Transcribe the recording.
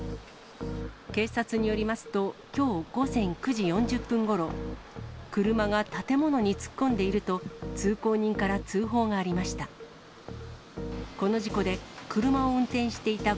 警察によりますと、きょう午前９時４０分ごろ、車が建物に突っ込んでいると、通行人から通報がありました。